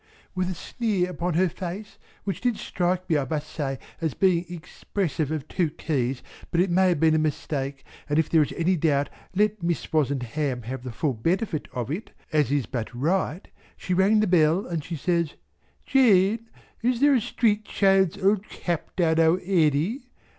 With a sneer upon her face which did strike me I must say as being expressive of two keys but it may have been a mistake and if there is any doubt let Miss Wozenham have the full benefit of it as is but right, she rang the bell and she says "Jane, is there a street child's old cap down our Airy?"